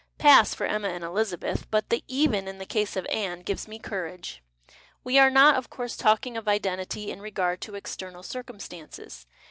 Pass, for Emma and Elizabeth ! But the " even " in the case of Anne gives me courage. We are not, of course, talking of identity in regard to external circumstances.